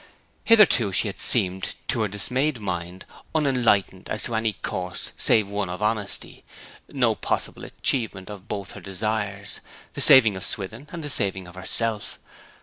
Hitherto there had seemed to her dismayed mind, unenlightened as to any course save one of honesty, no possible achievement of both her desires the saving of Swithin and the saving of herself.